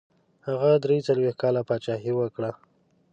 هغه دري څلوېښت کاله پاچهي وکړه.